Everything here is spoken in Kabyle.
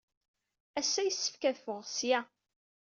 Ass-a, yessefk ad ffɣeɣ seg-a.